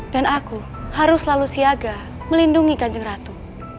dan aku harus selalu siaga melindungi kanjeng ratu